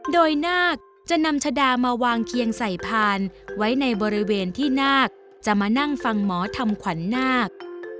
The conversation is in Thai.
โดยนาคจะนำชะดามาวางเคียงใส่พานไว้ในบริเวณที่นาคจะมานั่งฟังหมอทำขวัญนาค